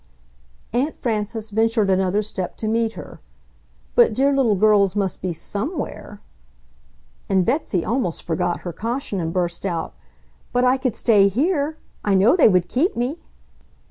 Aunt Frances ventured another step to meet her, "But dear little girls must be SOMEWHERE ..." And Betsy almost forgot her caution and burst out, "But I could stay here! I know they would keep me!"